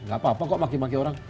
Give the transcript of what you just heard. gak apa apa kok maki maki orang